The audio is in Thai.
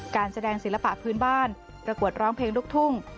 การแสดงศิลปะพื้นบ้านประกวดร้องเพลงลูกทุ่ง